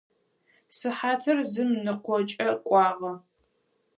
Сыхьатыр зым ныкъокӏэ кӏуагъэ.